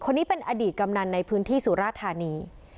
คนนี้เป็นอดีตกำนันในพื้นที่สุราธานี